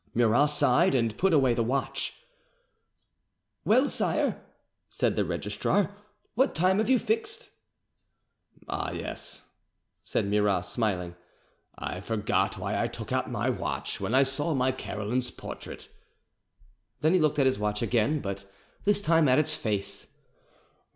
Murat sighed and put away the watch. "Well, sire," said the registrar, "what time have you fixed?" "Ah yes," said Murat, smiling, "I forgot why I took out my watch when I saw Caroline's portrait." Then he looked at his watch again, but this time at its face.